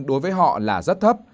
đối với họ là rất thấp